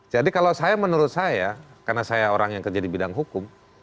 jadi kalau saya menurut saya karena saya orang yang kerja di bidang hukum